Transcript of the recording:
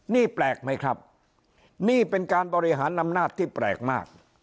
นี่แปลกไหมครับนี่เป็นการบริหารอำนาจที่แปลกมาก